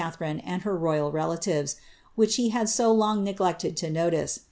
rine and her royal relatives, which he had so long neglected to notice.'